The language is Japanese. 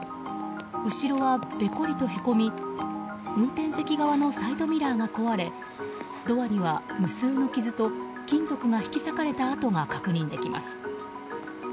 後ろは、べこりとへこみ運転席側のサイドミラーが壊れドアには無数の傷と、金属が引き裂かれた跡が確認できます。